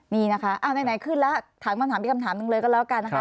นี่นะคะอ้าวไหนขึ้นแล้วถามคำถามอีกคำถามหนึ่งเลยก็แล้วกันนะคะ